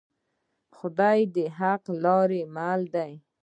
خدای د حقې لارې مل دی